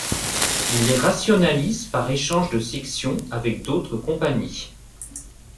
Il les rationalise par échange de sections avec d'autres compagnies.